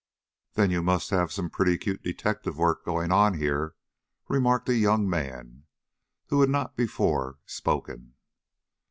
"Then you must have some pretty cute detective work going on here," remarked a young man who had not before spoken.